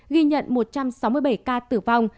ghi nhận một trăm sáu mươi bảy ca tử vong